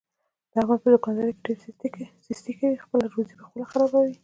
احمد په دوکاندارۍ کې ډېره سستي کوي، خپله روزي په خپله خرابوي.